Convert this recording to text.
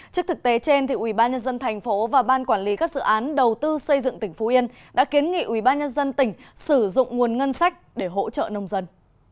trước thực tế trên ubnd tp và ban quản lý các dự án đầu tư xây dựng tỉnh phú yên đã kiến nghị ubnd tỉnh sử dụng nguồn ngân sách để hỗ trợ nông dân